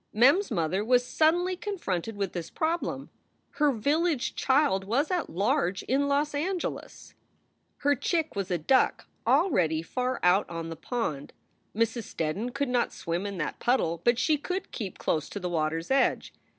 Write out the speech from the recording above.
Mem s mother was suddenly confronted with this problem. Her village child was at large in Los Angeles ! Her chick was a duck, already far out on the pond! Mrs. Steddon could not swim in that puddle, but she could keep close to the water s edge.